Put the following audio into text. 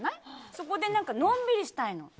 そこでのんびりしたいの。